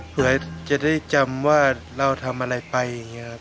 เผื่อจะได้จำว่าเราทำอะไรไปอย่างนี้ครับ